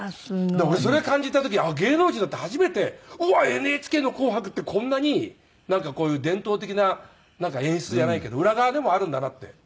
だから俺それ感じた時芸能人になって初めてうわＮＨＫの『紅白』ってこんなになんかこういう伝統的な演出じゃないけど裏側でもあるんだなって。